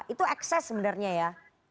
itu ekses sebenarnya ya